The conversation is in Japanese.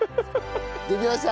できました！